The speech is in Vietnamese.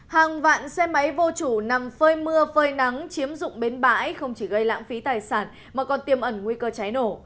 hàng vạn xe máy vô chủ nằm phơi mưa phơi nắng chiếm dụng bến bãi không chỉ gây lãng phí tài sản mà còn tiêm ẩn nguy cơ cháy nổ